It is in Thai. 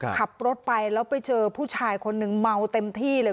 ขับรถไปแล้วไปเจอผู้ชายคนนึงเมาเต็มที่เลย